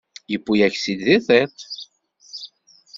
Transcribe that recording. Yewwi-yak-tt-id di tiṭ.